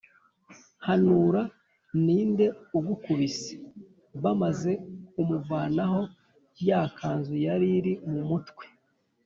“hanura, ni nde ugukubise?” bamaze kumuvanaho ya kanzu yari iri mu mutwe,